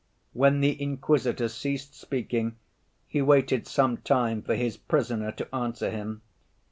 When the Inquisitor ceased speaking he waited some time for his Prisoner to answer him.